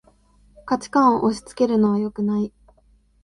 価値観を押しつけるのはよくない